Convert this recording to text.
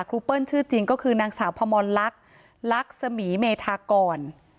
เปิ้ลชื่อจริงก็คือนางสาวพมรลักษณ์ลักษมีเมธากร